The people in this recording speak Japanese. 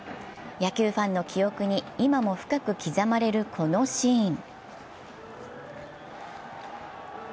野球ファンの記憶に今も深く刻まれるこのシーン。